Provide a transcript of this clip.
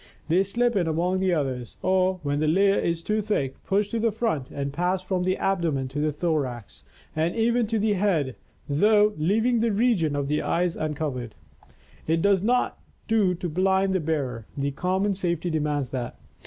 They slip in among the others, or, when the layer is too thick, push to the front and pass from the abdomen to the thorax and even to the head, though leaving the region of the eyes uncovered. It does not do to blind the bearer; the common safety demands that.